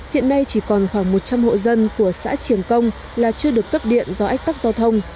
hiện nay chỉ còn khoảng một trăm linh hộ dân của xã triềng công là chưa được cấp điện do ách tắc giao thông